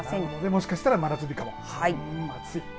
もしかしたら真夏日かも。